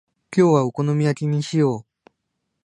今日はお好み焼きにしよう。